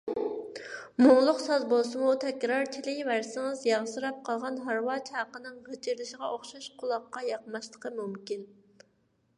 مۇڭلۇق ساز بولسىمۇ تەكرار چېلىۋەرسىڭىز، ياغسىراپ قالغان ھارۋا چاقىنىڭ غىچىرلىشىغا ئوخشاش قۇلاققا ياقماسلىقى مۇمكىن.